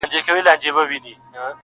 قاسم یاره وې تله که د خدای خپل سوې-